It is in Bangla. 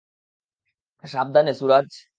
সাবধানে, সুরাজ।